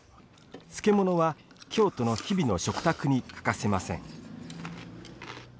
漬物は京都の日々の食卓に欠かせません。